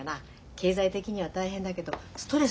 経済的には大変だけどストレスなくなったもん。